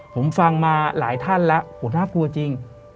ผมฟังมาหลายท่านแล้วน่ากลัวจริง